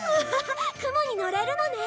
雲に乗れるのね！